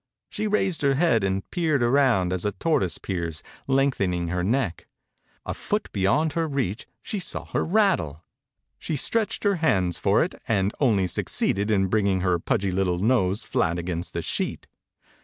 She raised her head and peered around, as a tortoise peers, lengthening her neck. A foot be yond her reach she saw her rattle. She stretched her hands for it and 51 THE INCUBATOR BABY only succeeded in bringing her pudgy little nose flat against the sheet.